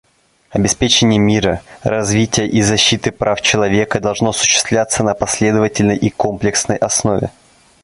Обеспечение мира, развития и защиты прав человека должно осуществляться на последовательной и комплексной основе.